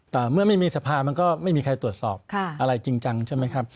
แต่เมื่อไม่มีสภามันก็ไม่มีใครตรวจสอบอะไรจริงจังใช่ไหมครับ